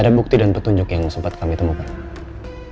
ada bukti dan petunjuk yang sempat kami temukan